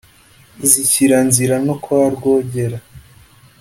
zishyira nzira no kwa rwogera,